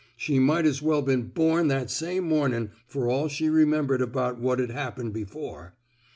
She might as well been bom that same momin' fer all she remembered about what'd hap pened before.